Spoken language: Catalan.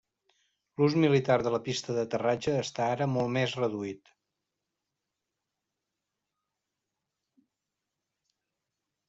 L'ús militar de la pista d'aterratge està ara molt més reduït.